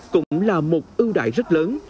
cũng là một ưu đại rất lớn